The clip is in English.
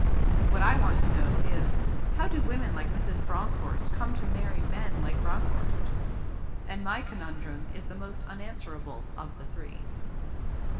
What I want to know is, 'How do women like Mrs. Bronckhorst come to marry men like Bronckhorst?' And my conundrum is the most unanswerable of the three.